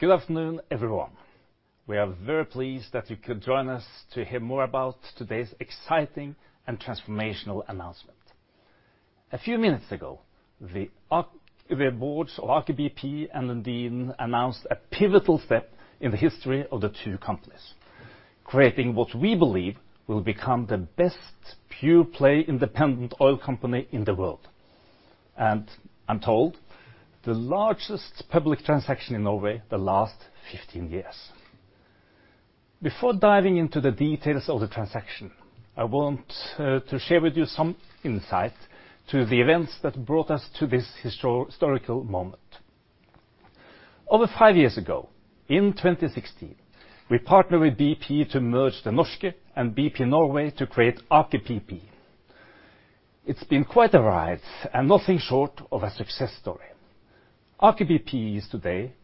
Good afternoon, everyone. We are very pleased that you could join us to hear more about today's exciting and transformational announcement. A few minutes ago, the boards of Aker BP and Lundin announced a pivotal step in the history of the two companies, creating what we believe will become the best pure-play independent oil company in the world. I'm told the largest public transaction in Norway the last 15 years. Before diving into the details of the transaction, I want to share with you some insight to the events that brought us to this historical moment. Over five years ago, in 2016, we partnered with BP to merge Det norske and BP Norge to create Aker BP. It's been quite a ride and nothing short of a success story. Aker BP is today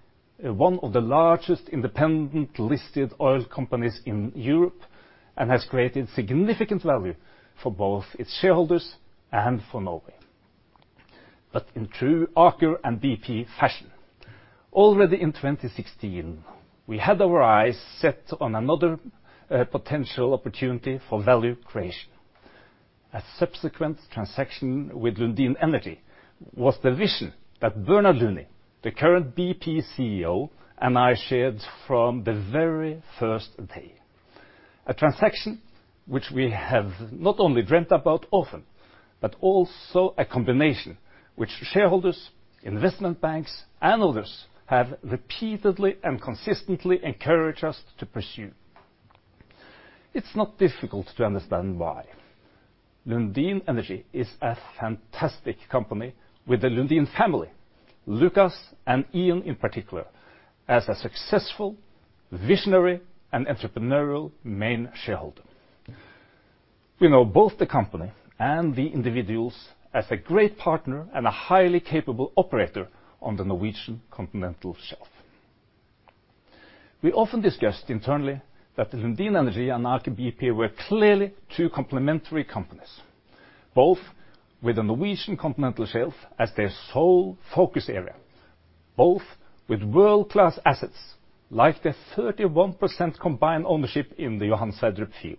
one of the largest independent listed oil companies in Europe and has created significant value for both its shareholders and for Norway. In true Aker and BP fashion, already in 2016 we had our eyes set on another, potential opportunity for value creation. A subsequent transaction with Lundin Energy was the vision that Bernard Looney, the current BP CEO, and I shared from the very first day. A transaction which we have not only dreamt about often, but also a combination which shareholders, investment banks, and others have repeatedly and consistently encouraged us to pursue. It's not difficult to understand why. Lundin Energy is a fantastic company with the Lundin family, Lukas and Ian in particular, as a successful, visionary, and entrepreneurial main shareholder. We know both the company and the individuals as a great partner and a highly capable operator on the Norwegian Continental Shelf. We often discussed internally that the Lundin Energy and Aker BP were clearly two complementary companies, both with the Norwegian Continental Shelf as their sole focus area, both with world-class assets like the 31% combined ownership in the Johan Sverdrup field,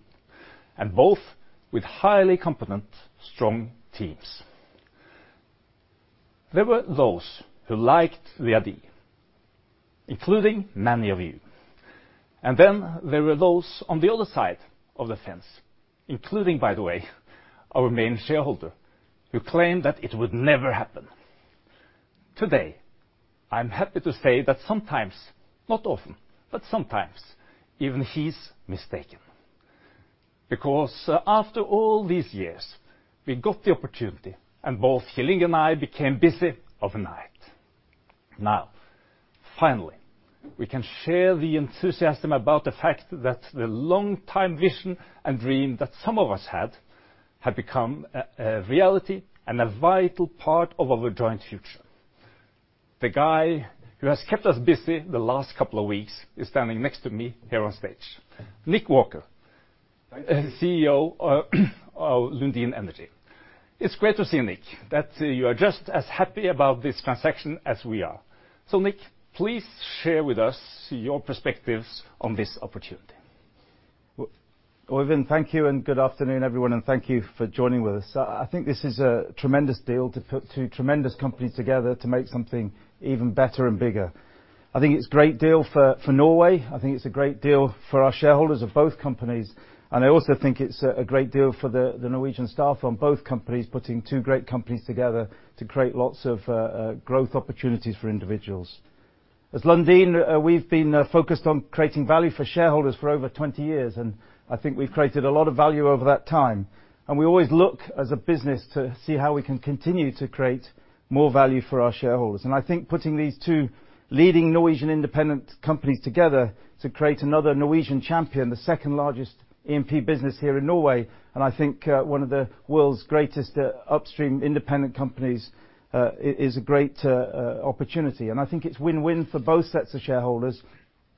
and both with highly competent, strong teams. There were those who liked the idea, including many of you. There were those on the other side of the fence, including, by the way, our main shareholder, who claimed that it would never happen. Today, I'm happy to say that sometimes, not often, but sometimes, even he's mistaken. Because after all these years, we got the opportunity, and both Kjell Inge and I became busy overnight. Now, finally, we can share the enthusiasm about the fact that the long time vision and dream that some of us had had become a reality and a vital part of our joint future. The guy who has kept us busy the last couple of weeks is standing next to me here on stage. Nick Walker. Thank you. CEO of Lundin Energy. It's great to see you, Nick, that you are just as happy about this transaction as we are. Nick, please share with us your perspectives on this opportunity. Well, Øyvind, thank you, and good afternoon, everyone, and thank you for joining with us. I think this is a tremendous deal to put two tremendous companies together to make something even better and bigger. I think it's a great deal for Norway. I think it's a great deal for our shareholders of both companies. I also think it's a great deal for the Norwegian staff on both companies, putting two great companies together to create lots of growth opportunities for individuals. As Lundin, we've been focused on creating value for shareholders for over 20 years, and I think we've created a lot of value over that time. We always look as a business to see how we can continue to create more value for our shareholders. I think putting these two leading Norwegian independent companies together to create another Norwegian champion, the second largest E&P business here in Norway, and I think one of the world's greatest upstream independent companies is a great opportunity. I think it's win-win for both sets of shareholders.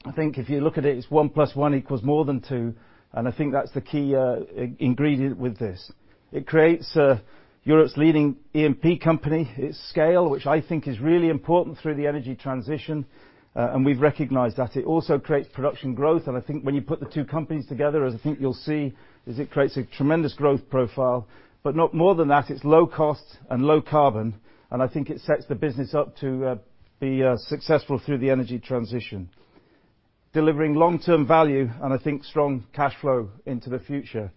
I think if you look at it's one plus one equals more than two, and I think that's the key ingredient with this. It creates Europe's leading E&P company. It's scale, which I think is really important through the energy transition, and we've recognized that. It also creates production growth, and I think when you put the two companies together, as I think you'll see, it creates a tremendous growth profile. More than that, it's low cost and low carbon, and I think it sets the business up to be successful through the energy transition, delivering long-term value and I think strong cash flow into the future,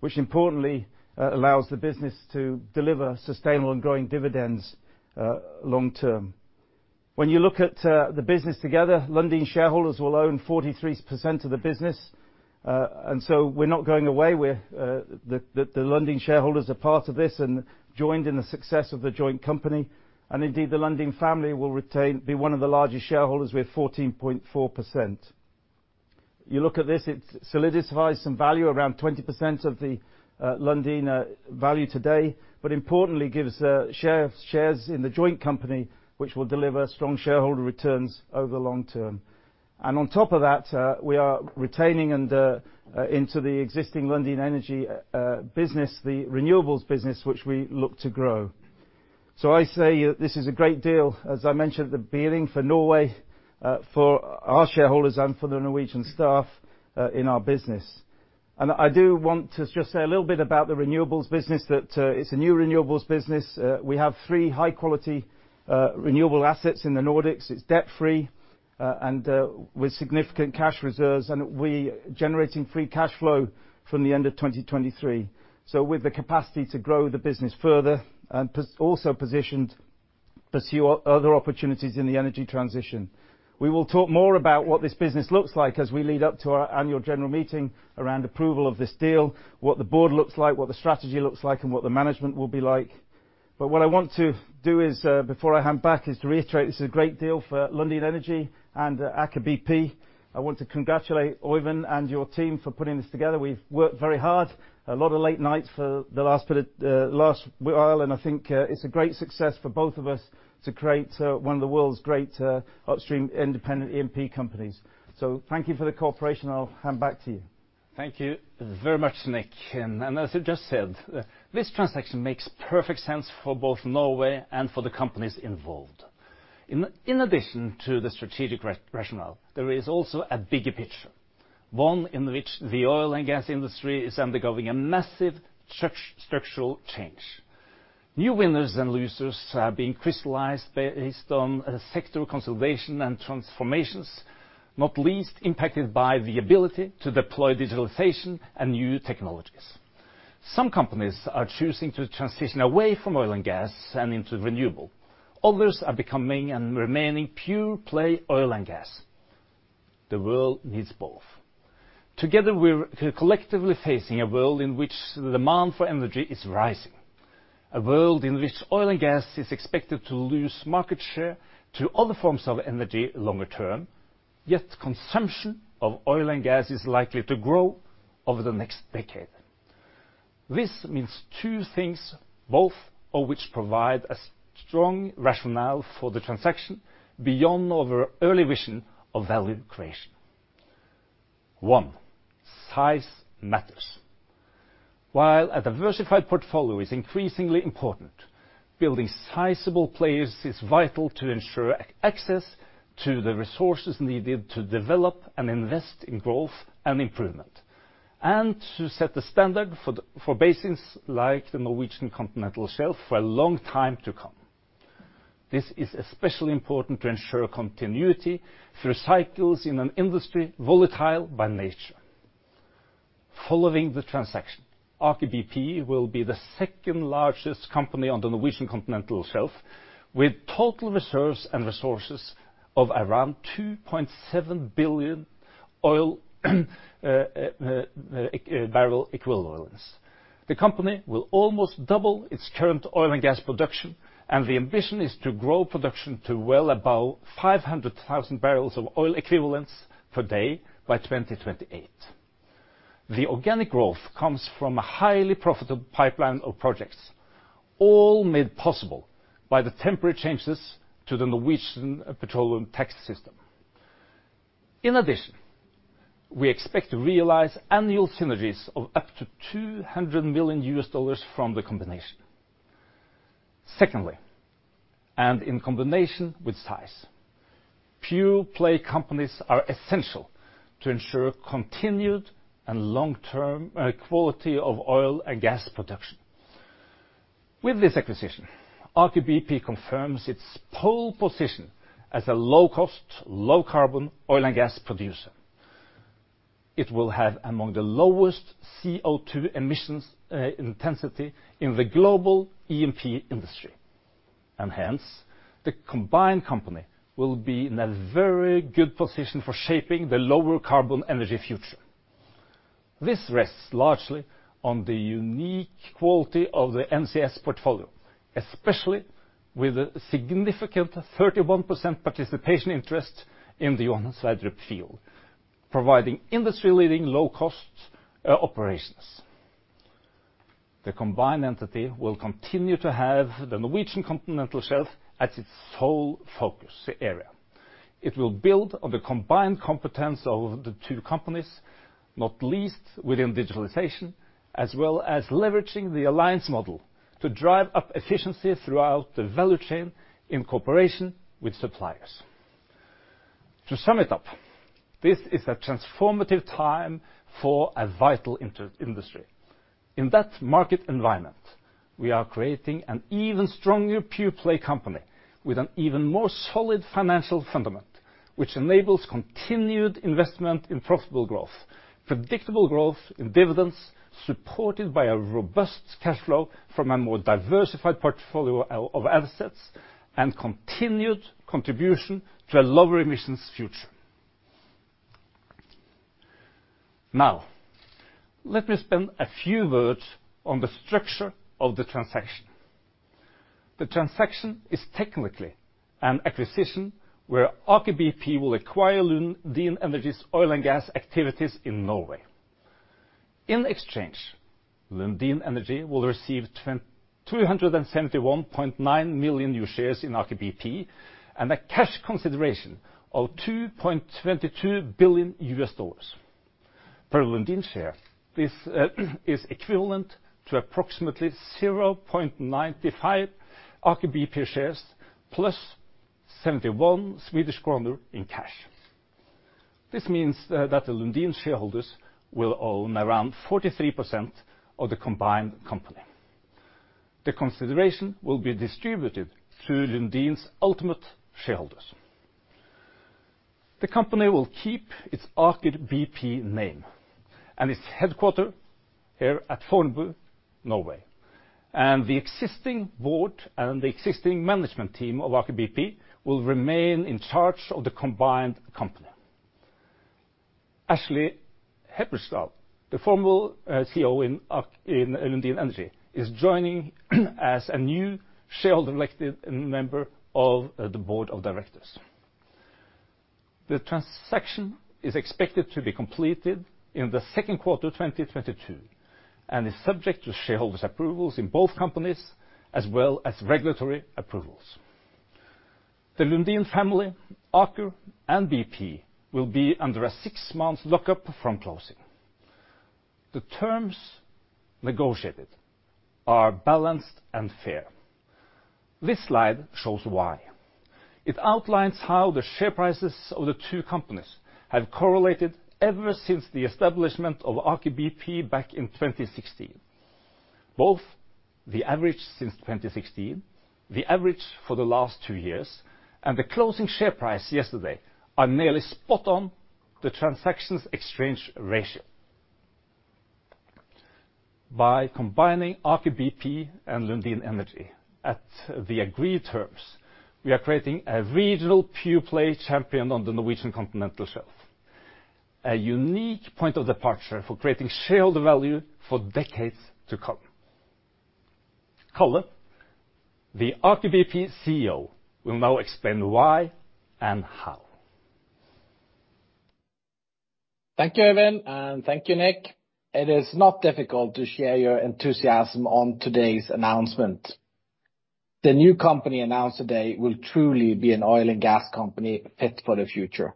which importantly allows the business to deliver sustainable and growing dividends long term. When you look at the business together, Lundin shareholders will own 43% of the business. We're not going away. We're the Lundin shareholders are part of this and joined in the success of the joint company. Indeed, the Lundin family will retain be one of the largest shareholders with 14.4%. You look at this. It solidifies some value around 20% of the Lundin value today, but importantly gives shares in the joint company, which will deliver strong shareholder returns over the long term. On top of that, we are retaining and into the existing Lundin Energy business, the renewables business, which we look to grow. I say this is a great deal, as I mentioned at the beginning, for Norway, for our shareholders and for the Norwegian staff in our business. I do want to just say a little bit about the renewables business. That it's a new renewables business. We have three high-quality renewable assets in the Nordics. It's debt-free and with significant cash reserves, and we're generating free cash flow from the end of 2023. With the capacity to grow the business further and also positioned to pursue other opportunities in the energy transition. We will talk more about what this business looks like as we lead up to our Annual General Meeting around approval of this deal, what the board looks like, what the strategy looks like, and what the management will be like. What I want to do is, before I hand back, to reiterate this is a great deal for Lundin Energy and Aker BP. I want to congratulate Øyvind and your team for putting this together. We've worked very hard, a lot of late nights for the last bit, last while, and I think, it's a great success for both of us to create, one of the world's great, upstream independent E&P companies. Thank you for the cooperation. I'll hand back to you. Thank you very much, Nick. As you just said, this transaction makes perfect sense for both Norway and for the companies involved. In addition to the strategic rationale, there is also a bigger picture, one in which the oil and gas industry is undergoing a massive structural change. New winners and losers are being crystallized based on sector consolidation and transformations, not least impacted by the ability to deploy digitalization and new technologies. Some companies are choosing to transition away from oil and gas and into renewable. Others are becoming and remaining pure play oil and gas. The world needs both. Together, we're collectively facing a world in which demand for energy is rising. A world in which oil and gas is expected to lose market share to other forms of energy longer term, yet consumption of oil and gas is likely to grow over the next decade. This means two things, both of which provide a strong rationale for the transaction beyond our early vision of value creation. One, size matters. While a diversified portfolio is increasingly important, building sizable players is vital to ensure access to the resources needed to develop and invest in growth and improvement, and to set the standard for basins like the Norwegian Continental Shelf for a long time to come. This is especially important to ensure continuity through cycles in an industry volatile by nature. Following the transaction, Aker BP will be the second-largest company on the Norwegian Continental Shelf with total reserves and resources of around 2.7 billion oil barrel equivalent. The company will almost double its current oil and gas production, and the ambition is to grow production to well above 500,000 bbl of oil equivalents per day by 2028. The organic growth comes from a highly profitable pipeline of projects, all made possible by the temporary changes to the Norwegian petroleum tax system. In addition, we expect to realize annual synergies of up to $200 million from the combination. Secondly, and in combination with size, pure play companies are essential to ensure continued and long-term quality of oil and gas production. With this acquisition, Aker BP confirms its pole position as a low-cost, low-carbon oil and gas producer. It will have among the lowest CO2 emissions intensity in the global E&P industry. Hence, the combined company will be in a very good position for shaping the lower carbon energy future. This rests largely on the unique quality of the NCS portfolio, especially with a significant 31% participation interest in the Johan Sverdrup field, providing industry-leading low-cost operations. The combined entity will continue to have the Norwegian Continental Shelf as its sole focus area. It will build on the combined competence of the two companies, not least within digitalization, as well as leveraging the alliance model to drive up efficiency throughout the value chain in cooperation with suppliers. To sum it up, this is a transformative time for a vital inter-industry. In that market environment, we are creating an even stronger pure play company with an even more solid financial fundament, which enables continued investment in profitable growth, predictable growth in dividends, supported by a robust cash flow from a more diversified portfolio of assets, and continued contribution to a lower emissions future. Now, let me spend a few words on the structure of the transaction. The transaction is technically an acquisition where Aker BP will acquire Lundin Energy's oil and gas activities in Norway. In exchange, Lundin Energy will receive 271.9 million new shares in Aker BP and a cash consideration of $2.22 billion. Per Lundin share, this is equivalent to approximately 0.95 Aker BP shares plus 71 Swedish kronor in cash. This means that the Lundin shareholders will own around 43% of the combined company. The consideration will be distributed to Lundin's ultimate shareholders. The company will keep its Aker BP name and its headquarters here at Fornebu, Norway. The existing board and the existing management team of Aker BP will remain in charge of the combined company. Ashley Heppenstall, the former CEO in Lundin Energy, is joining as a new shareholder-elected member of the board of directors. The transaction is expected to be completed in the second quarter of 2022 and is subject to shareholders approvals in both companies, as well as regulatory approvals. The Lundin family, Aker, and BP will be under a six-month lockup from closing. The terms negotiated are balanced and fair. This slide shows why. It outlines how the share prices of the two companies have correlated ever since the establishment of Aker BP back in 2016. Both the average since 2016, the average for the last two years, and the closing share price yesterday are nearly spot on the transaction's exchange ratio. By combining Aker BP and Lundin Energy at the agreed terms, we are creating a regional pure-play champion on the Norwegian Continental Shelf, a unique point of departure for creating shareholder value for decades to come. Karl, the Aker BP CEO, will now explain why and how. Thank you, Øyvind, and thank you, Nick. It is not difficult to share your enthusiasm on today's announcement. The new company announced today will truly be an oil and gas company fit for the future.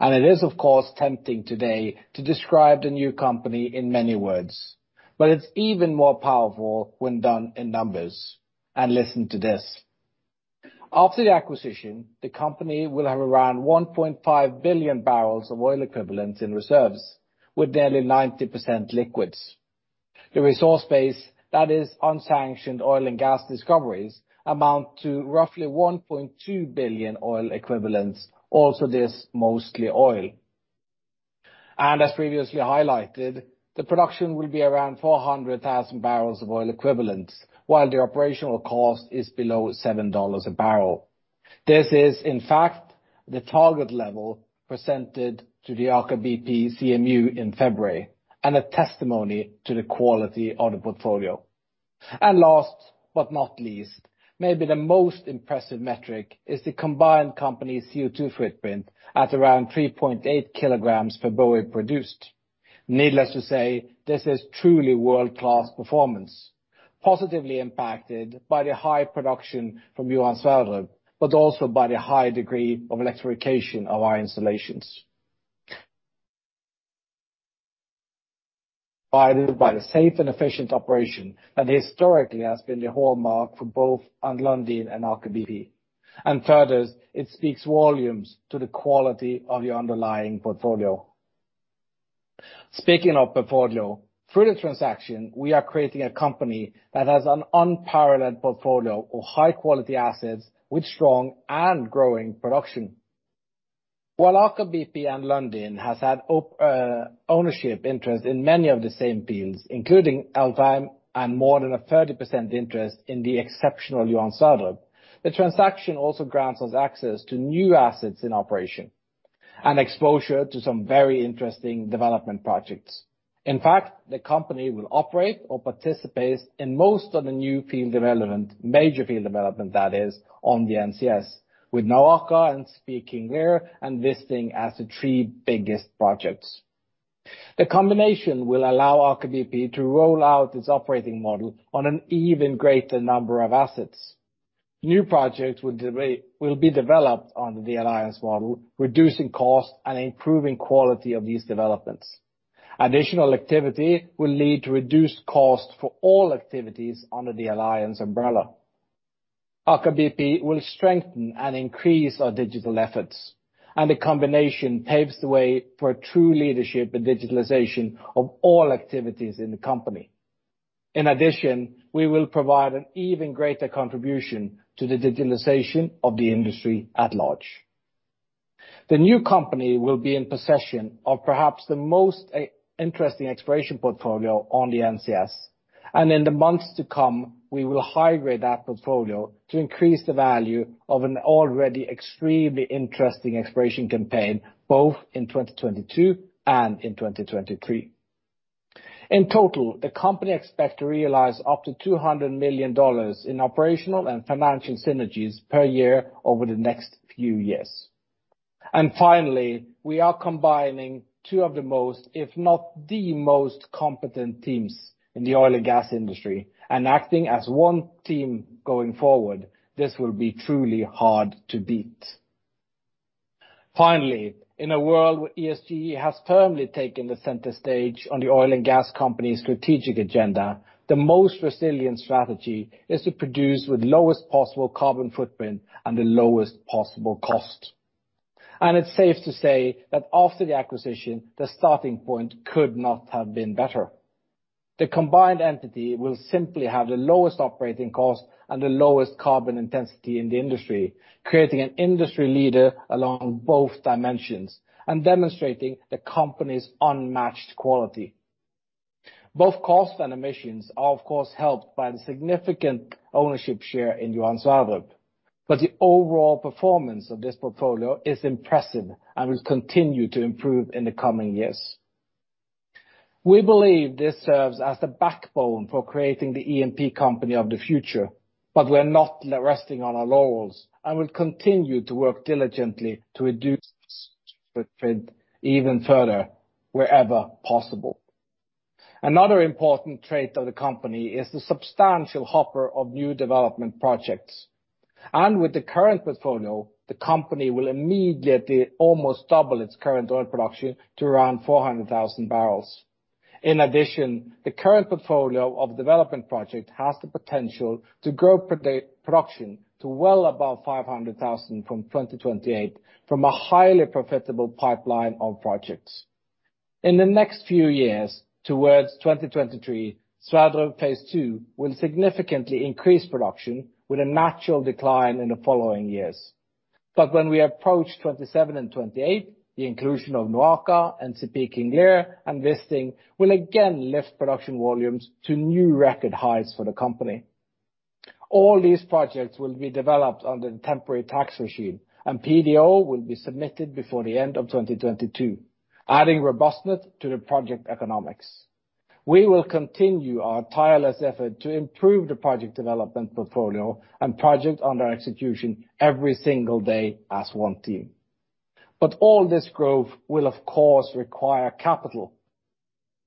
It is, of course, tempting today to describe the new company in many words, but it's even more powerful when done in numbers. Listen to this. After the acquisition, the company will have around 1.5 billion barrels of oil equivalent in reserves with nearly 90% liquids. The resource base that is unsanctioned oil and gas discoveries amount to roughly 1.2 billion oil equivalents. Also, there's mostly oil. As previously highlighted, the production will be around 400,000 bbl of oil equivalents, while the operational cost is below $7 a barrel. This is, in fact, the target level presented to the Aker BP CMU in February and a testimony to the quality of the portfolio. Last but not least, maybe the most impressive metric is the combined company's CO2 footprint at around 3.8 kg per BOE produced. Needless to say, this is truly world-class performance, positively impacted by the high production from Johan Sverdrup, but also by the high degree of electrification of our installations provided by the safe and efficient operation that historically has been the hallmark for both Lundin and Aker BP. Further, it speaks volumes to the quality of the underlying portfolio. Speaking of portfolio, through the transaction, we are creating a company that has an unparalleled portfolio of high-quality assets with strong and growing production. While Aker BP and Lundin has had ownership interest in many of the same fields, including Alvheim and more than a 30% interest in the exceptional Johan Sverdrup, the transaction also grants us access to new assets in operation and exposure to some very interesting development projects. In fact, the company will operate or participates in most of the new field development, major field development that is on the NCS, with NOAKA and Skarv Satellites and Wisting as the three biggest projects. The combination will allow Aker BP to roll out its operating model on an even greater number of assets. New projects will be developed under the alliance model, reducing cost and improving quality of these developments. Additional activity will lead to reduced cost for all activities under the alliance umbrella. Aker BP will strengthen and increase our digital efforts, and the combination paves the way for true leadership and digitalization of all activities in the company. In addition, we will provide an even greater contribution to the digitalization of the industry at large. The new company will be in possession of perhaps the most interesting exploration portfolio on the NCS. In the months to come, we will high-grade that portfolio to increase the value of an already extremely interesting exploration campaign, both in 2022 and in 2023. In total, the company expect to realize up to $200 million in operational and financial synergies per year over the next few years. Finally, we are combining two of the most, if not the most competent teams in the oil and gas industry, and acting as one team going forward. This will be truly hard to beat. Finally, in a world where ESG has firmly taken the center stage on the oil and gas company's strategic agenda, the most resilient strategy is to produce with lowest possible carbon footprint and the lowest possible cost. It's safe to say that after the acquisition, the starting point could not have been better. The combined entity will simply have the lowest operating cost and the lowest carbon intensity in the industry, creating an industry leader along both dimensions, and demonstrating the company's unmatched quality. Both cost and emissions are, of course, helped by the significant ownership share in Johan Sverdrup, but the overall performance of this portfolio is impressive and will continue to improve in the coming years. We believe this serves as the backbone for creating the E&P company of the future, but we're not resting on our laurels and will continue to work diligently to reduce even further wherever possible. Another important trait of the company is the substantial hopper of new development projects. With the current portfolio, the company will immediately almost double its current oil production to around 400,000 bbl. In addition, the current portfolio of development project has the potential to grow production to well above 500,000 bbl from 2028 from a highly profitable pipeline of projects. In the next few years, towards 2023, Sverdrup Phase 2 will significantly increase production with a natural decline in the following years. When we approach 2027 and 2028, the inclusion of NOAKA and Skarv Satellites and Wisting will again lift production volumes to new record highs for the company. All these projects will be developed under the temporary tax regime, and PDO will be submitted before the end of 2022, adding robustness to the project economics. We will continue our tireless effort to improve the project development portfolio and project under execution every single day as one team. All this growth will, of course, require capital.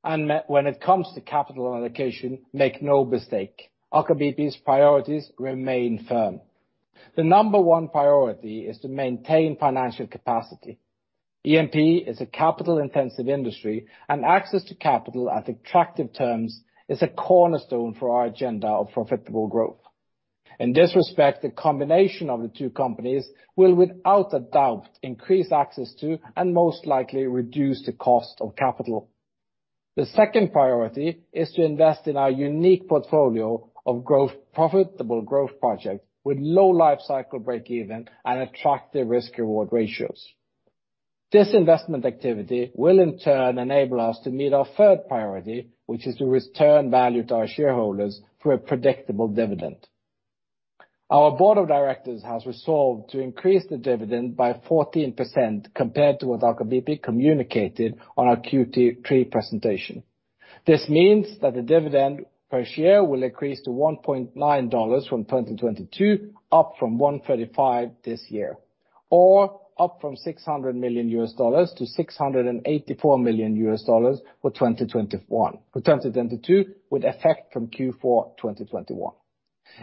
When it comes to capital allocation, make no mistake, Aker BP's priorities remain firm. The number one priority is to maintain financial capacity. E&P is a capital-intensive industry, and access to capital at attractive terms is a cornerstone for our agenda of profitable growth. In this respect, the combination of the two companies will, without a doubt, increase access to and most likely reduce the cost of capital. The second priority is to invest in our unique portfolio of growth, profitable growth projects with low life cycle break-even and attractive risk-reward ratios. This investment activity will in turn enable us to meet our third priority, which is to return value to our shareholders through a predictable dividend. Our board of directors has resolved to increase the dividend by 14% compared to what Aker BP communicated on our Q3 presentation. This means that the dividend per share will increase to $1.9 from 2022, up from $1.35 this year, or up from $600 million to $684 million for 2022, with effect from Q4 2021.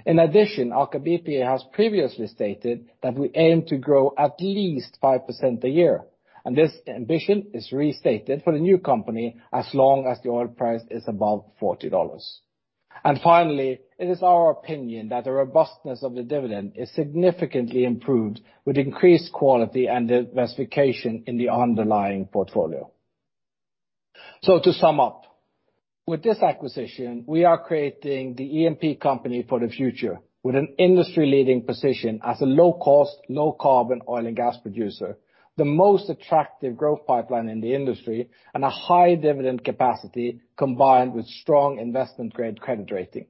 In addition, Aker BP has previously stated that we aim to grow at least 5% a year, and this ambition is restated for the new company as long as the oil price is above $40. Finally, it is our opinion that the robustness of the dividend is significantly improved with increased quality and diversification in the underlying portfolio. To sum up, with this acquisition, we are creating the E&P company for the future with an industry-leading position as a low-cost, low-carbon oil and gas producer, the most attractive growth pipeline in the industry, and a high dividend capacity combined with strong investment-grade credit rating.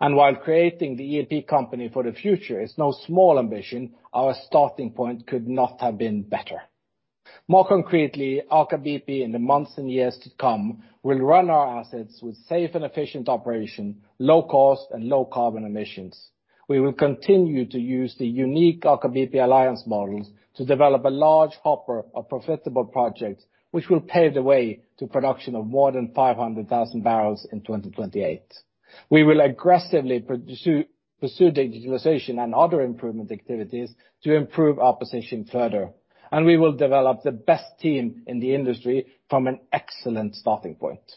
While creating the E&P company for the future is no small ambition, our starting point could not have been better. More concretely, Aker BP in the months and years to come will run our assets with safe and efficient operation, low cost, and low carbon emissions. We will continue to use the unique Aker BP alliance models to develop a large hopper of profitable projects, which will pave the way to production of more than 500,000 bbl in 2028. We will aggressively pursue digitalization and other improvement activities to improve our position further, and we will develop the best team in the industry from an excellent starting point.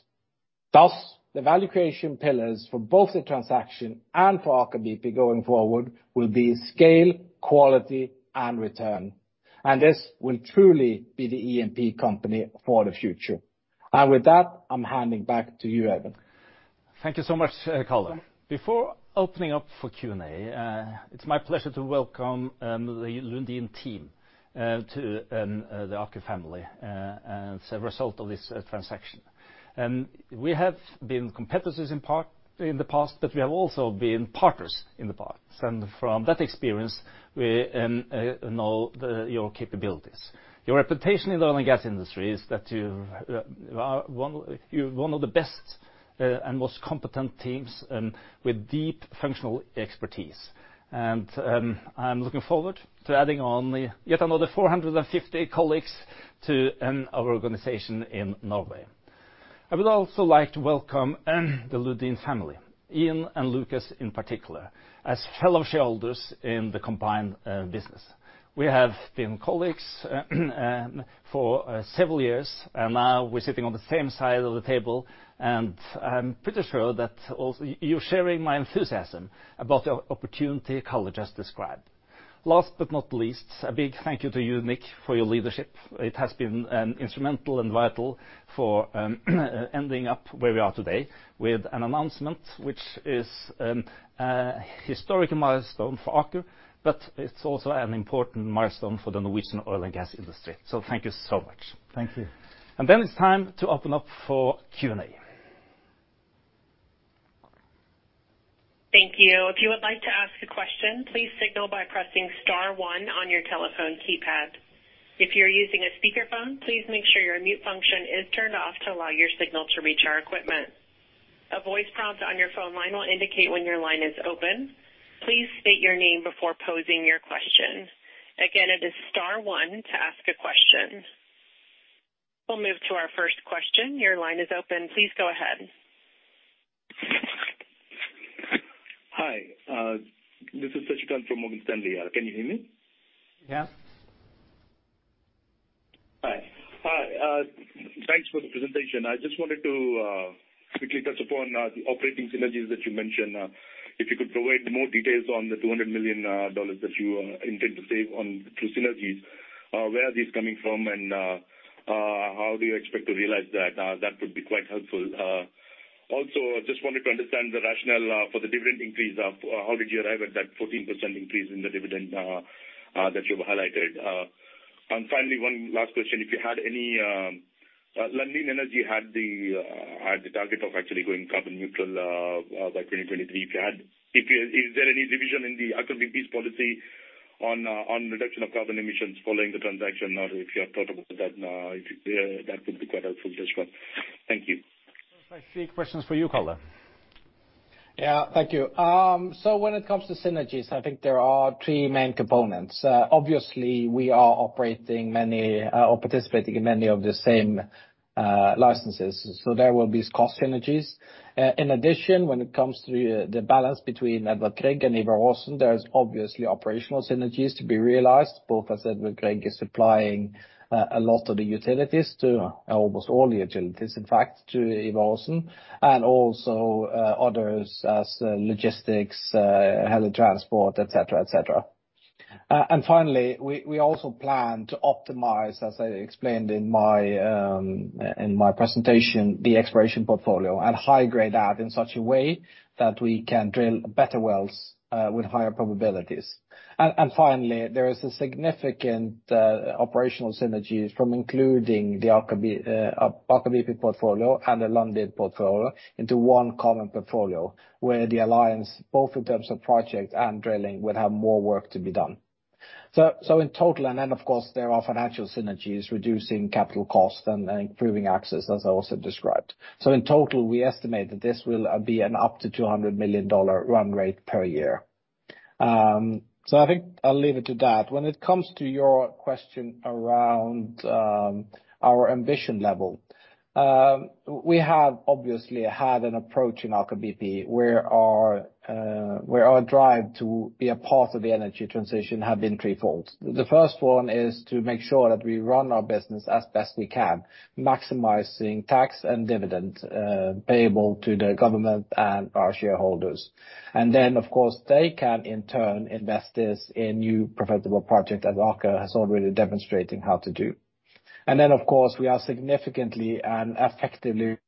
Thus, the value creation pillars for both the transaction and for Aker BP going forward will be scale, quality, and return. This will truly be the E&P company for the future. With that, I'm handing back to you, Øyvind. Thank you so much, Karl. Before opening up for Q&A, it's my pleasure to welcome the Lundin team to the Aker family as a result of this transaction. We have been competitors in the past, but we have also been partners in the past. From that experience, we know your capabilities. Your reputation in the oil and gas industry is that you are one of the best and most competent teams and with deep functional expertise. I'm looking forward to adding on yet another 450 colleagues to our organization in Norway. I would also like to welcome the Lundin family, Ian and Lukas in particular, as fellow shareholders in the combined business. We have been colleagues for several years, and now we're sitting on the same side of the table, and I'm pretty sure that also you're sharing my enthusiasm about the opportunity Karl just described. Last but not least, a big thank you to you, Nick, for your leadership. It has been instrumental and vital for ending up where we are today with an announcement which is historic milestone for Aker, but it's also an important milestone for the Norwegian oil and gas industry. Thank you so much. Thank you. It's time to open up for Q&A. Thank you. If you would like to ask a question, please signal by pressing star one on your telephone keypad. If you're using a speakerphone, please make sure your mute function is turned off to allow your signal to reach our equipment. A voice prompt on your phone line will indicate when your line is open. Please state your name before posing your question. Again, it is star one to ask a question. We'll move to our first question. Your line is open. Please go ahead. Hi, this is Sasikanth Chilukuru from Morgan Stanley. Can you hear me? Yeah. Hi. Thanks for the presentation. I just wanted to quickly touch upon the operating synergies that you mentioned. If you could provide more details on the $200 million that you intend to save on through synergies. Where are these coming from, and how do you expect to realize that? That would be quite helpful. Also, I just wanted to understand the rationale for the dividend increase. How did you arrive at that 14% increase in the dividend that you've highlighted? Finally, one last question, if you had any. Lundin Energy had the target of actually going carbon neutral by 2023. If you... Is there any division in the Aker BP's policy on reduction of carbon emissions following the transaction or if you have thought about that, if you could share, that would be quite helpful as well. Thank you. Those, I think, questions for you, Karl. Yeah, thank you. When it comes to synergies, I think there are three main components. Obviously, we are operating many or participating in many of the same licenses, so there will be cost synergies. In addition, when it comes to the balance between Edvard Grieg and Ivar Aasen, there's obviously operational synergies to be realized, both as Edvard Grieg is supplying a lot of the utilities to almost all the utilities, in fact, to Ivar Aasen, and also others as logistics, heli-transport, et cetera. Finally, we also plan to optimize, as I explained in my presentation, the exploration portfolio and high grade that in such a way that we can drill better wells with higher probabilities. Finally, there is a significant operational synergies from including the Aker BP portfolio and the Lundin portfolio into one common portfolio, where the alliance, both in terms of project and drilling, would have more work to be done. In total, and then of course, there are financial synergies reducing capital costs and improving access, as I also described. In total, we estimate that this will be an up to $200 million run rate per year. I think I'll leave it to that. When it comes to your question around our ambition level, we have obviously had an approach in Aker BP, where our drive to be a part of the energy transition have been threefold. The first one is to make sure that we run our business as best we can, maximizing tax and dividends payable to the government and our shareholders. Of course, they can, in turn, invest this in new profitable projects that Aker has already demonstrated how to do. Of course, we are significantly and effectively reducing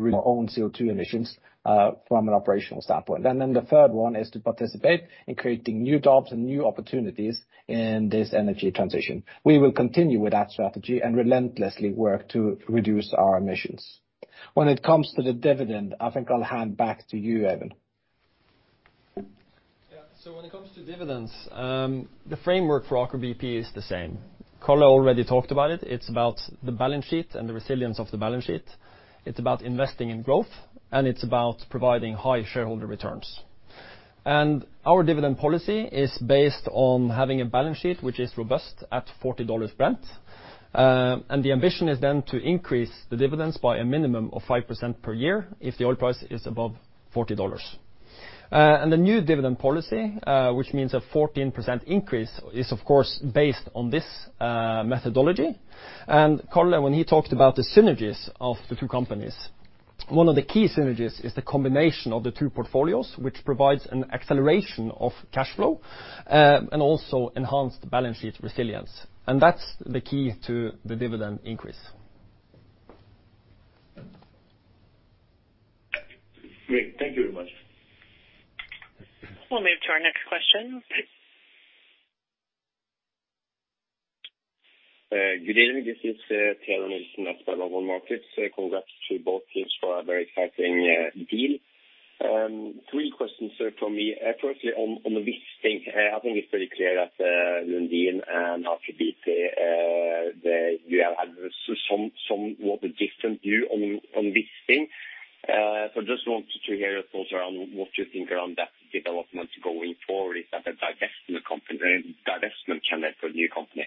our own CO2 emissions from an operational standpoint. The third one is to participate in creating new jobs and new opportunities in this energy transition. We will continue with that strategy and relentlessly work to reduce our emissions. When it comes to the dividend, I think I'll hand back to you, David. Yeah. When it comes to dividends, the framework for Aker BP is the same. Karl already talked about it. It's about the balance sheet and the resilience of the balance sheet. It's about investing in growth, and it's about providing high shareholder returns. Our dividend policy is based on having a balance sheet which is robust at $40 Brent. The ambition is then to increase the dividends by a minimum of 5% per year if the oil price is above $40. The new dividend policy, which means a 14% increase, is of course, based on this, methodology. Karl, when he talked about the synergies of the two companies, one of the key synergies is the combination of the two portfolios, which provides an acceleration of cash flow, and also enhanced balance sheet resilience. That's the key to the dividend increase. Great. Thank you very much. We'll move to our next question. Good evening. This is Teodor Sveen-Nilsen at SpareBank 1 Markets. Congrats to both teams for a very exciting deal. Three questions, sir, from me. Firstly, on the Wisting. I think it's pretty clear that Lundin and Aker BP, they do have somewhat a different view on this thing. So just wanted to hear your thoughts around what you think around that development going forward if the divestment can lead to a new company.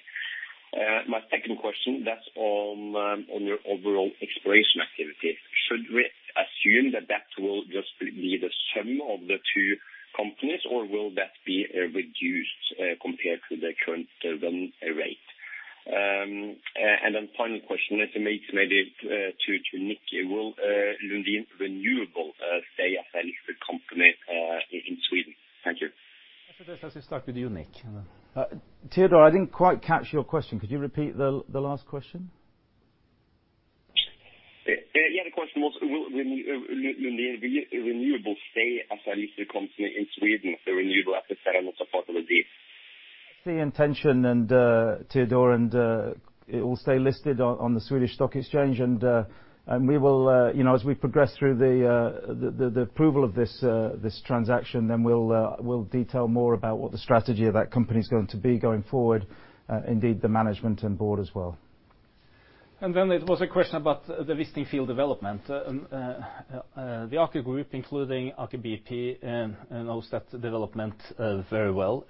My second question, that's on your overall exploration activity. Should we assume that that will just be the sum of the two companies, or will that be reduced compared to the current run rate? Final question, this is maybe to Nick. Will Lundin Energy stay a listed company in Sweden? Thank you. I should just actually start with you, Nick. Teodor, I didn't quite catch your question. Could you repeat the last question? Yeah, the question was, will Lundin Renewable stay a listed company in Sweden if the renewable assets are not a part of the deal? That's the intention Teodor, and it will stay listed on Nasdaq Stockholm, and we will, you know, as we progress through the approval of this transaction, then we'll detail more about what the strategy of that company's going to be going forward, indeed the management and board as well. Then there was a question about the Wisting field development. The Aker group, including Aker BP, knows that development very well.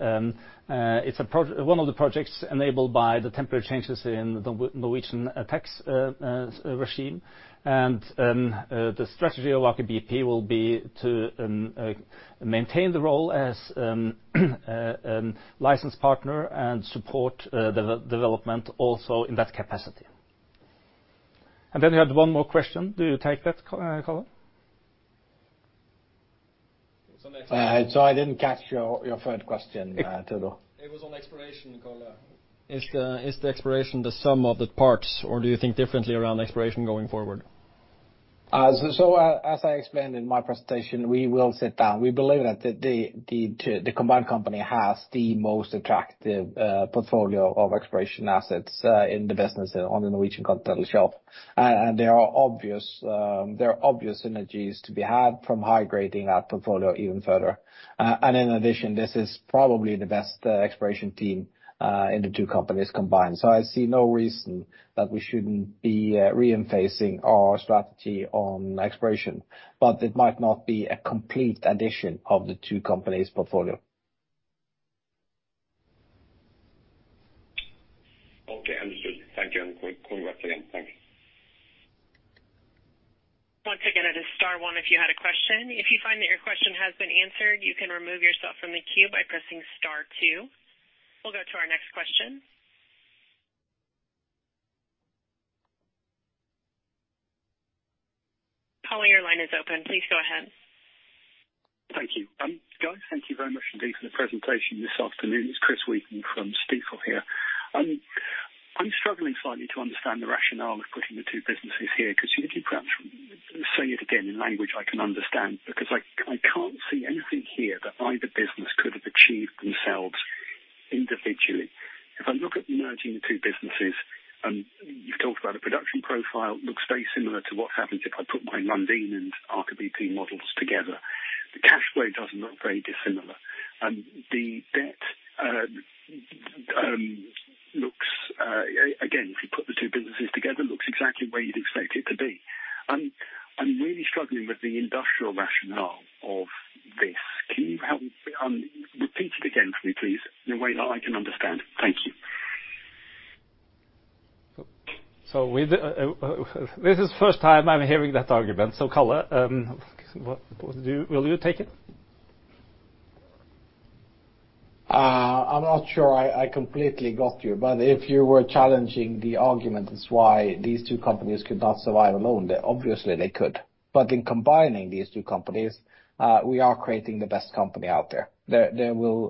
It's one of the projects enabled by the temporary changes in the Norwegian tax regime. The strategy of Aker BP will be to maintain the role as a license partner and support the development also in that capacity. Then you had one more question. Do you take that, Karl? Sorry, I didn't catch your third question, Teodor. It was on exploration, Karl. Is the exploration the sum of the parts, or do you think differently around exploration going forward? As I explained in my presentation, we will sit down. We believe that the combined company has the most attractive portfolio of exploration assets in the business on the Norwegian Continental Shelf. There are obvious synergies to be had from high-grading our portfolio even further. In addition, this is probably the best exploration team in the two companies combined. I see no reason that we shouldn't be reinforcing our strategy on exploration. It might not be a complete addition of the two companies' portfolio. Okay, understood. Thank you, and congrats again. Thanks. Once again press star one if you had a question. If you find that your question has been answered, you can remove yourself from the queue by pressing star two. We'll go to our next question. Chris, your line is open. Please go ahead. Thank you. Guys, thank you very much indeed for the presentation this afternoon. It's Chris Wheaton from Stifel here. I'm struggling slightly to understand the rationale of putting the two businesses here, could you perhaps say it again in language I can understand? Because I can't see anything here that either business could have achieved themselves individually. If I look at merging the two businesses, you've talked about the production profile, looks very similar to what happens if I put my Lundin and Aker BP models together. The cash flow doesn't look very dissimilar. The debt looks again, if you put the two businesses together, looks exactly where you'd expect it to be. I'm really struggling with the industrial rationale of this. Can you help me? Repeat it again for me, please, in a way that I can understand. Thank you. With this is the first time I'm hearing that argument. Karl, what do you? Will you take it? I'm not sure I completely got you, but if you were challenging the argument as why these two companies could not survive alone, obviously they could. In combining these two companies, we are creating the best company out there.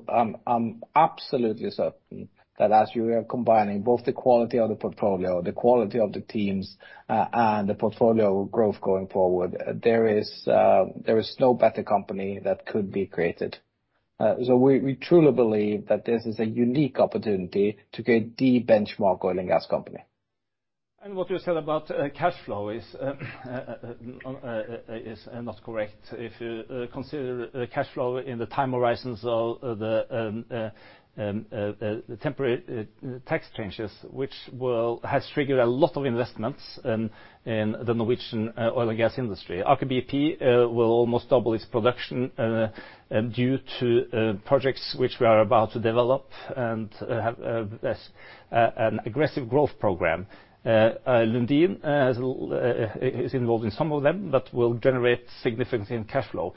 I'm absolutely certain that as you are combining both the quality of the portfolio, the quality of the teams, and the portfolio growth going forward, there is no better company that could be created. We truly believe that this is a unique opportunity to create the benchmark oil and gas company. What you said about cash flow is not correct. If you consider the cash flow in the time horizons of the temporary tax changes, which has triggered a lot of investments in the Norwegian oil and gas industry. Aker BP will almost double its production due to projects which we are about to develop and have this aggressive growth program. Lundin Energy is involved in some of them that will generate significant cash flow.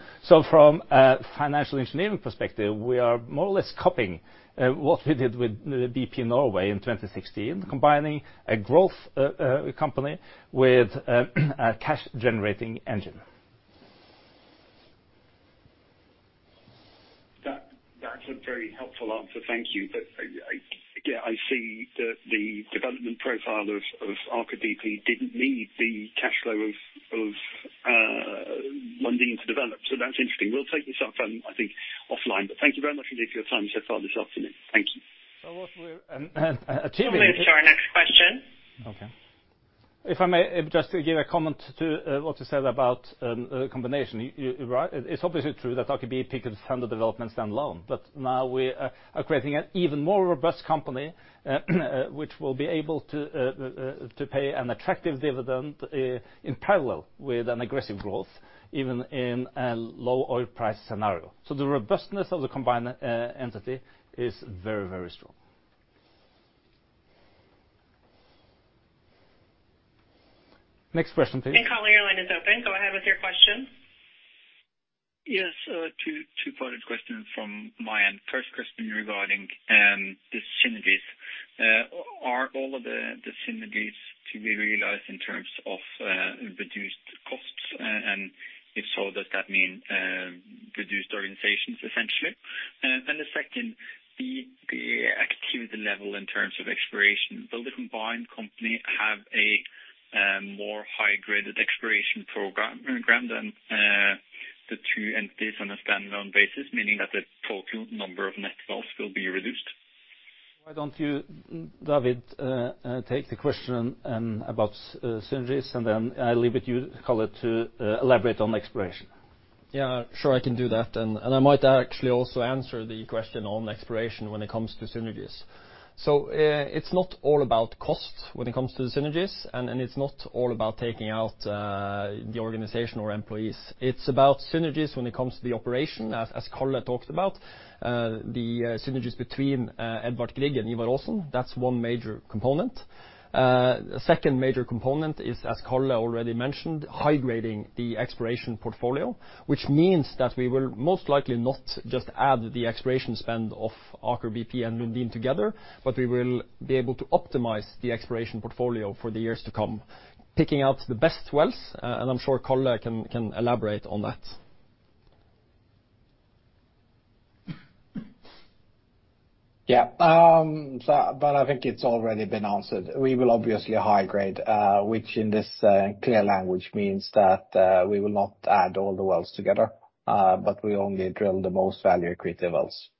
From a financial engineering perspective, we are more or less copying what we did with BP Norge in 2016, combining a growth company with a cash-generating engine. That's a very helpful answer. Thank you. Again, I see the development profile of Aker BP didn't need the cash flow of one thing to develop. That's interesting. We'll take this up, I think offline, but thank you very much indeed for your time so far this afternoon. Thank you. What we're achieving. We'll move to our next question. Okay. If I may, just to give a comment to what you said about combination. You're right. It's obviously true that Aker BP can handle developments stand alone. Now we are creating an even more robust company, which will be able to pay an attractive dividend in parallel with an aggressive growth, even in a low oil price scenario. The robustness of the combined entity is very, very strong. Next question, please. Caller's line is open. Go ahead with your question. Yes, two-parted question from my end. First question regarding the synergies. Are all of the synergies to be realized in terms of reduced costs? And if so, does that mean reduced organizations essentially? The second, the activity level in terms of exploration. Will the combined company have a more high-graded exploration program than the two entities on a standalone basis, meaning that the total number of net wells will be reduced? Why don't you, David, take the question and about synergies, and then I'll leave it to you, Karl, to elaborate on exploration? Yeah, sure, I can do that. I might actually also answer the question on exploration when it comes to synergies. It's not all about cost when it comes to synergies, and it's not all about taking out the organization or employees. It's about synergies when it comes to the operation, as Karl talked about. The synergies between Edvard Grieg and Ivar Aasen, that's one major component. A second major component is, as Karl already mentioned, high-grading the exploration portfolio, which means that we will most likely not just add the exploration spend of Aker BP and Lundin together, but we will be able to optimize the exploration portfolio for the years to come, picking out the best wells, and I'm sure Karl can elaborate on that. I think it's already been answered. We will obviously high-grade, which in this clear language means that we will not add all the wells together, but we only drill the most value-accretive wells.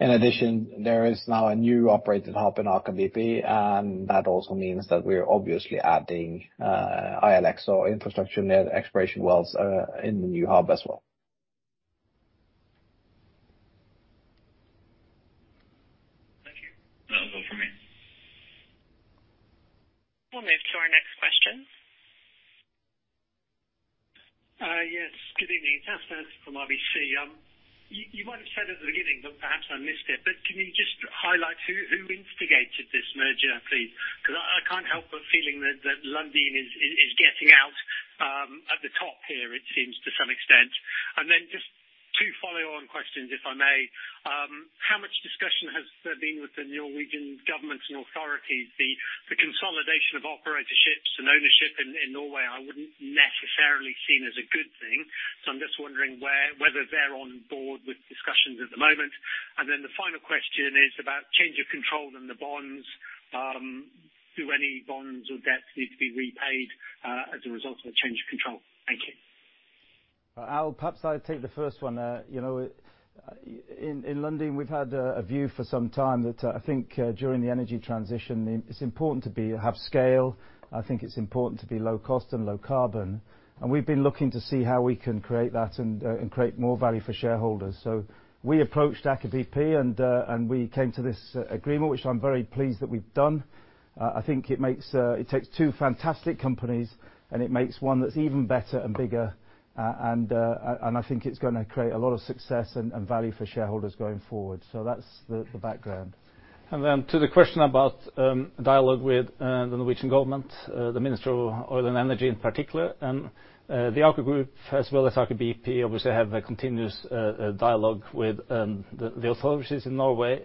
In addition, there is now a new operated hub in Aker BP, and that also means that we're obviously adding ILX, or infrastructure near the exploration wells, in the new hub as well. Thank you. That'll be all for me. We'll move to our next question. Yes. Good evening. It's Al Stanton from RBC. You might have said at the beginning, but perhaps I missed it, but can you just highlight who instigated this merger, please? Because I can't help but feeling that Lundin is getting out at the top here, it seems to some extent. Then just two follow-on questions, if I may. How much discussion has there been with the Norwegian government and authorities? The consolidation of operatorships and ownership in Norway I wouldn't necessarily seen as a good thing. I'm just wondering whether they're on board with discussions at the moment. Then the final question is about change of control in the bonds. Do any bonds or debts need to be repaid as a result of the change of control? Thank you. Al, perhaps I'll take the first one. You know, in Lundin, we've had a view for some time that I think during the energy transition, it's important to have scale. I think it's important to be low cost and low carbon. We've been looking to see how we can create that and create more value for shareholders. We approached Aker BP and we came to this agreement, which I'm very pleased that we've done. I think it takes two fantastic companies, and it makes one that's even better and bigger. I think it's gonna create a lot of success and value for shareholders going forward. That's the background. To the question about dialogue with the Norwegian government, the Minister of Petroleum and Energy in particular, and the Aker Group as well as Aker BP obviously have a continuous dialogue with the authorities in Norway.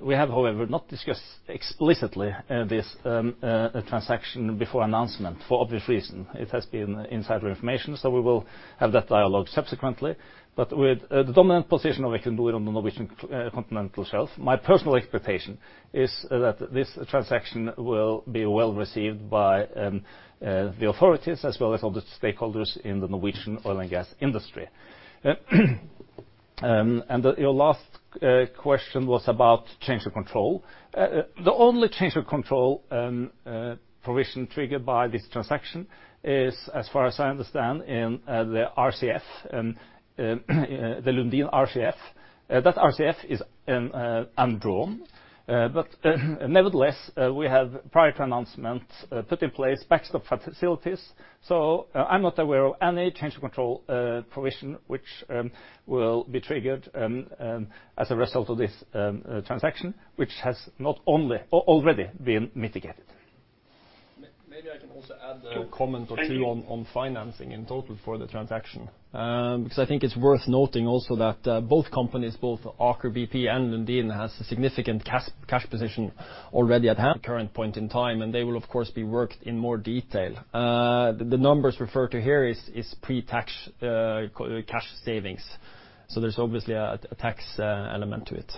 We have, however, not discussed explicitly this transaction before announcement for obvious reason. It has been insider information, so we will have that dialogue subsequently. With the dominant position of Equinor on the Norwegian Continental Shelf, my personal expectation is that this transaction will be well received by the authorities as well as all the stakeholders in the Norwegian oil and gas industry. Your last question was about change of control. The only change of control provision triggered by this transaction is, as far as I understand, in the RCF, the Lundin RCF. That RCF is undrawn. But nevertheless, we have prior to announcement put in place backstop facilities. I'm not aware of any change of control provision which will be triggered as a result of this transaction, which has not only already been mitigated. Maybe I can also add a comment or two... Thank you. ...on financing in total for the transaction. Because I think it's worth noting also that both companies, Aker BP and Lundin, has a significant cash position already at current point in time, and they will of course be worked in more detail. The numbers referred to here is pre-tax cash savings. There's obviously a tax element to it.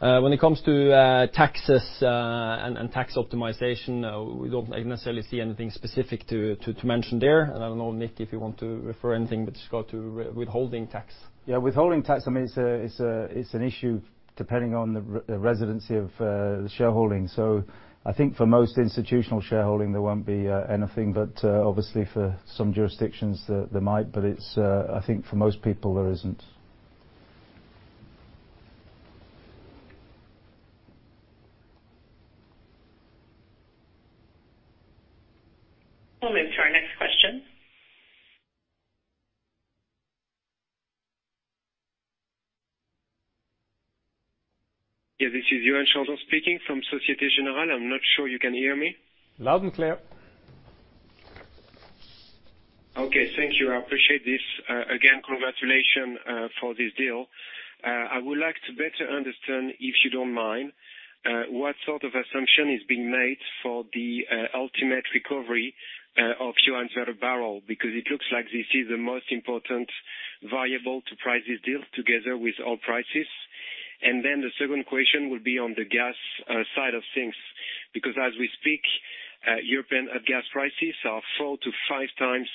When it comes to taxes and tax optimization, we don't necessarily see anything specific to mention there. I don't know, Nick, if you want to refer anything which goes to our withholding tax. Yeah, withholding tax, I mean, it's an issue depending on the residency of the shareholding. I think for most institutional shareholding, there won't be anything, but obviously for some jurisdictions there might. It's, I think for most people, there isn't. We'll move to our next question. Yeah, this is Yoann Charenton speaking from Société Générale. I'm not sure you can hear me. Loud and clear. Okay. Thank you. I appreciate this. Again, congratulations for this deal. I would like to better understand, if you don't mind, what sort of assumption is being made for the ultimate recovery of Johan Sverdrup barrels because it looks like this is the most important variable to price this deal together with oil prices. The second question will be on the gas side of things. Because as we speak, European gas prices are 4x-5x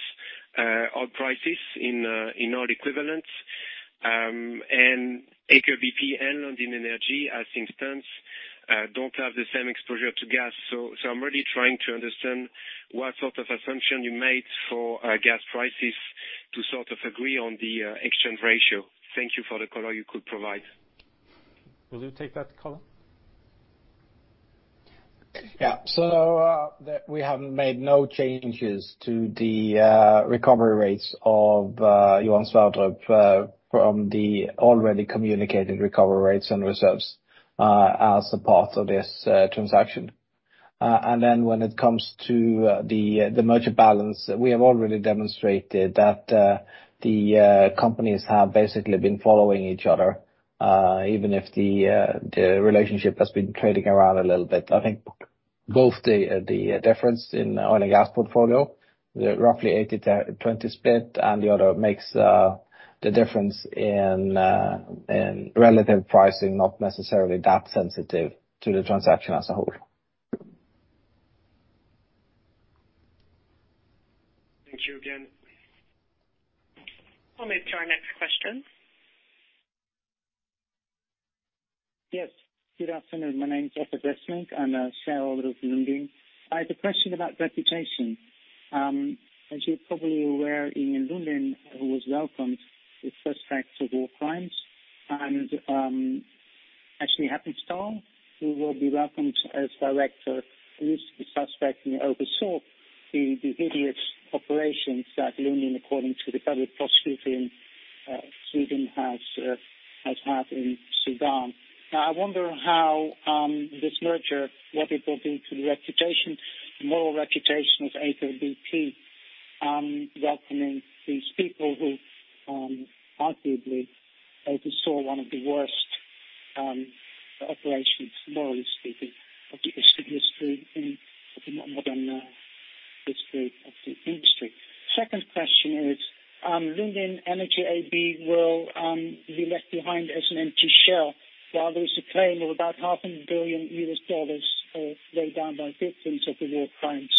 oil prices in oil equivalent. Aker BP and Lundin Energy, for instance, don't have the same exposure to gas. I'm really trying to understand what sort of assumption you made for gas prices to sort of agree on the exchange ratio. Thank you for the color you could provide. Will you take that, Karl? We have made no changes to the recovery rates of Johan Sverdrup from the already communicated recovery rates and reserves as a part of this transaction. When it comes to the merger balance, we have already demonstrated that the companies have basically been following each other even if the relationship has been trading around a little bit. I think both the difference in oil and gas portfolio, roughly 80-20 split, and the other makes the difference in relative pricing, not necessarily that sensitive to the transaction as a whole. Thank you again. We'll move to our next question. Yes. Good afternoon. My name is Ebbe Bessvenning. I'm a Shareholder of Lundin. I have a question about reputation. As you're probably aware, Ian Lundin, who was welcomed with suspects of war crimes, and Ashley Heppenstall, who will be welcomed as director, who used to be suspect and oversaw the hideous operations that Lundin, according to the public prosecutor in Sweden, has had in Sudan. Now, I wonder how this merger what it will do to the reputation, moral reputation of Aker BP, welcoming these people who arguably oversaw one of the worst operations, morally speaking, of the history in the modern history of the industry. Second question is, Lundin Energy AB will be left behind as an empty shell, while there's a claim of about $500 million laid down by victims of the war crimes.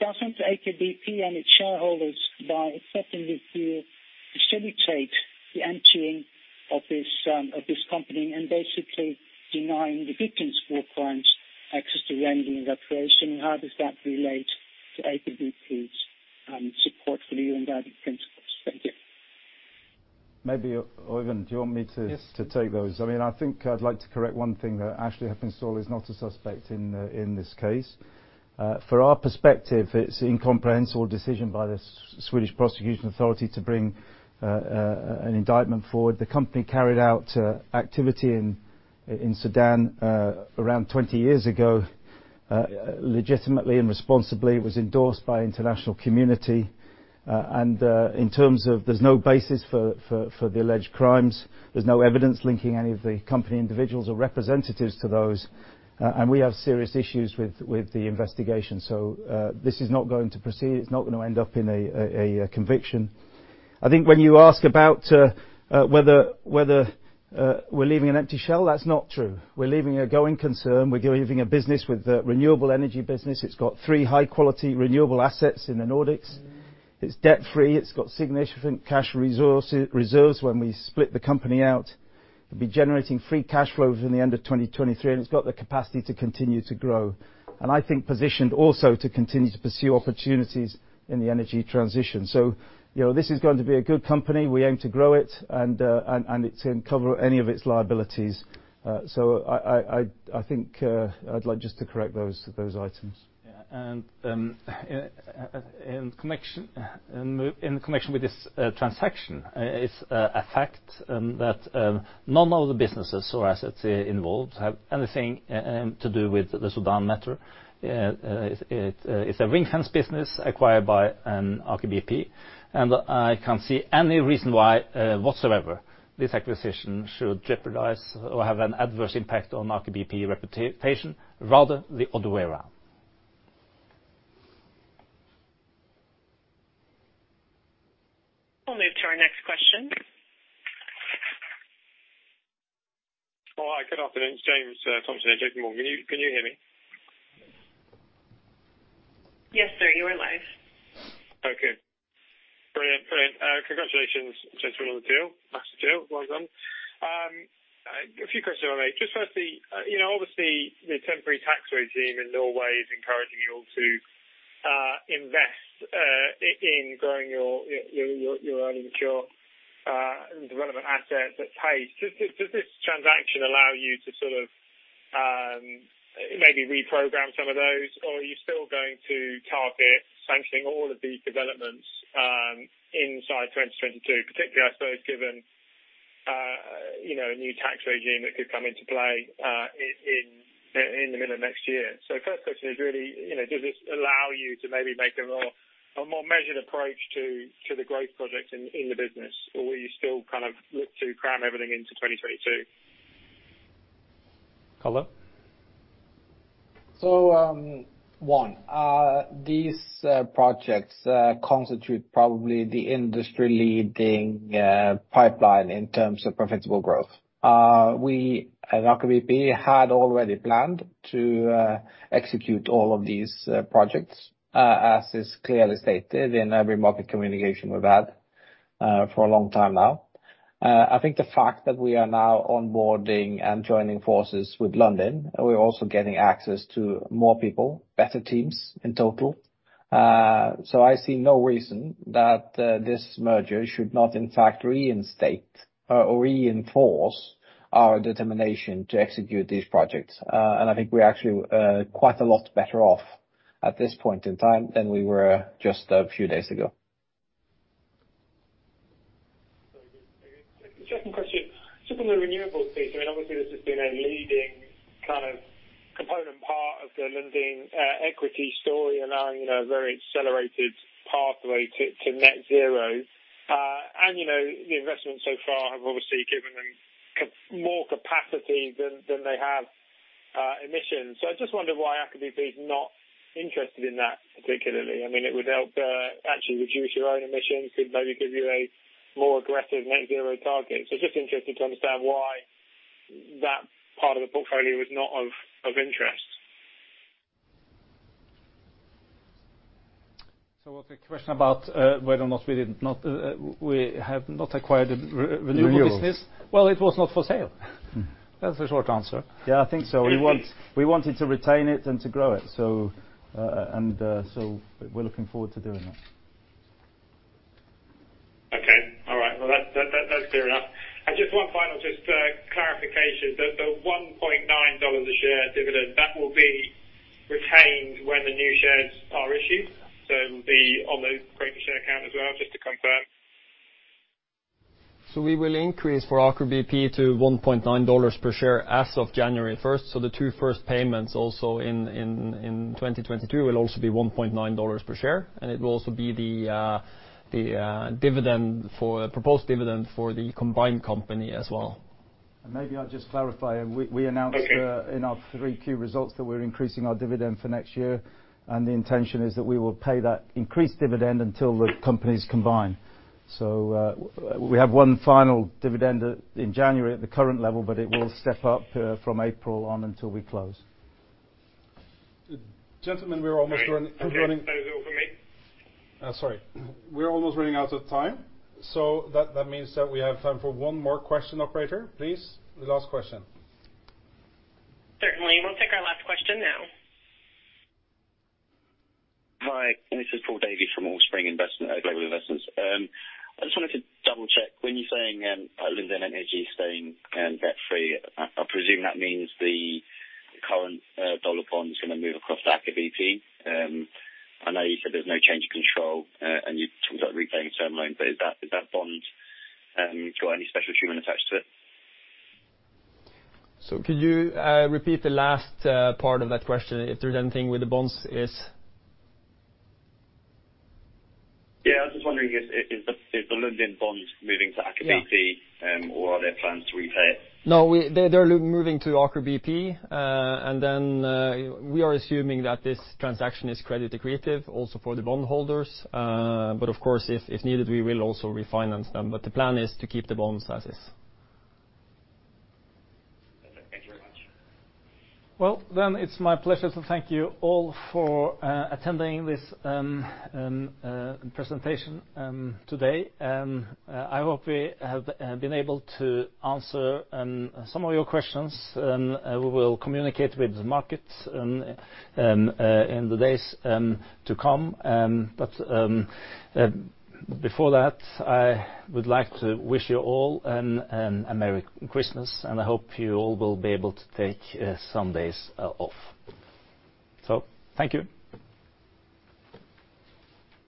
Doesn't Aker BP and its shareholders, by accepting this deal, facilitate the emptying of this company and basically denying the victims of war crimes access to remedy and reparation? How does that relate to Aker BP's support for the UN Guiding Principles? Thank you. Maybe, Øyvind, do you want me to? Yes. To take those? I mean, I think I'd like to correct one thing. That Ashley Heppenstall is not a suspect in this case. For our perspective, it's incomprehensible decision by the Swedish Prosecution Authority to bring an indictment forward. The company carried out activity in Sudan around 20 years ago legitimately and responsibly. It was endorsed by international community. In terms of there's no basis for the alleged crimes, there's no evidence linking any of the company individuals or representatives to those. We have serious issues with the investigation. This is not going to proceed. It's not gonna end up in a conviction. I think when you ask about whether we're leaving an empty shell, that's not true. We're leaving a going concern. We're leaving a business with a renewable energy business. It's got three high-quality renewable assets in the Nordics. It's debt-free. It's got significant cash reserves when we split the company out. It'll be generating free cash flows in the end of 2023, and it's got the capacity to continue to grow. I think it's positioned also to continue to pursue opportunities in the energy transition. You know, this is going to be a good company. We aim to grow it, and it can cover any of its liabilities. I think I'd like just to correct those items. Yeah. In connection with this transaction, it's a fact that none of the businesses or assets involved have anything to do with the Sudan matter. It's a ring-fence business acquired by Aker BP. I can't see any reason why whatsoever this acquisition should jeopardize or have an adverse impact on Aker BP reputation, rather the other way around. We'll move to our next question. Oh, hi. Good afternoon. James Thompson at JPMorgan. Can you hear me? Yes, sir. You are live. Okay. Brilliant. Congratulations, gentlemen, on the deal. That's the deal. Well done. A few questions I have. Just firstly, you know, obviously the temporary tax regime in Norway is encouraging you all to invest in growing your own mature relevant assets at pace. Does this transaction allow you to sort of maybe reprogram some of those? Or are you still going to target sanctioning all of these developments inside 2022? Particularly, I suppose, given you know, a new tax regime that could come into play in the middle of next year. First question is really, you know, does this allow you to maybe make a more measured approach to the growth projects in the business? Or will you still kind of look to cram everything into 2022? Karl? These projects constitute probably the industry-leading pipeline in terms of profitable growth. We at Aker BP had already planned to execute all of these projects, as is clearly stated in every market communication we've had for a long time now. I think the fact that we are now onboarding and joining forces with Lundin, and we're also getting access to more people, better teams in total. I see no reason that this merger should not in fact reinstate or reinforce our determination to execute these projects. I think we're actually quite a lot better off at this point in time than we were just a few days ago. Very good. Thank you. Second question. Just on the renewables piece, I mean, obviously this has been a leading kind of component part of the Lundin equity story, allowing you know a very accelerated pathway to net zero. You know, the investments so far have obviously given them more capacity than they have emissions. So I just wondered why Aker BP is not interested in that particularly. I mean, it would help actually reduce your own emissions. It maybe give you a more aggressive net zero target. So just interested to understand why that part of the portfolio is not of interest. Was the question about whether or not we have not acquired a renewable business? Renewables. Well, it was not for sale. That's the short answer. Yeah, I think so. Indeed. We wanted to retain it and to grow it. We're looking forward to doing that. Okay. All right. Well, that's clear enough. Just one final for clarification. The $1.9 a share dividend, that will be retained when the new shares are issued? So it'll be on the register share count as well, just to confirm. We will increase for Aker BP to $1.9 per share as of January 1st. The two first payments also in 2022 will also be $1.9 per share. It will also be the proposed dividend for the combined company as well. Maybe I'll just clarify. We announced... Okay. ...in our 3Q results that we're increasing our dividend for next year. The intention is that we will pay that increased dividend until the companies combine. We have one final dividend in January at the current level, but it will step up from April on until we close. Gentlemen, we're running. Okay. That was all from me. Sorry. We're almost running out of time. That means that we have time for one more question, operator. Please, the last question. Certainly. We'll take our last question now. Hi, this is Paul Davey from Allspring Global Investments. I just wanted to double-check when you're saying Lundin Energy is staying debt-free. I presume that means the current dollar bond is gonna move across to Aker BP. I know you said there's no change in control, and you talked about repaying term loan, but is that bond got any special treatment attached to it? Could you repeat the last part of that question? If there's anything with the bonds is? Yeah. I was just wondering is the Lundin bonds moving to Aker BP? Yeah. Are there plans to repay it? No, they're moving to Aker BP. And then, we are assuming that this transaction is credit accretive also for the bondholders. But of course, if needed, we will also refinance them. The plan is to keep the bonds as is. That's it. Thank you very much. Well, it's my pleasure to thank you all for attending this presentation today. I hope we have been able to answer some of your questions. We will communicate with the markets in the days to come. Before that, I would like to wish you all a Merry Christmas, and I hope you all will be able to take some days off. Thank you.